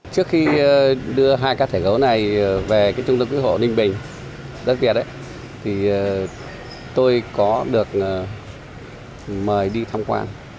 trước khi đưa hai cá thể gấu này về trung tâm cứu hộ ninh bình đất việt tôi có được mời đi tham quan